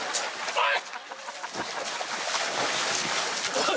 おい！